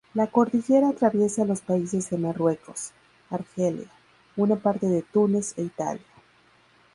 La cordillera atraviesa los países de Marruecos, Argelia, una parte de Túnez e Italia.